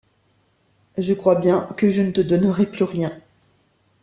Je crois bien que je ne te donnerai plus rien.